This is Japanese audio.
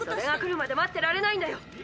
「それが来るまで待ってられないんだよ。